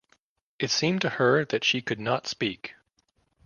It seemed to her that she could not speak.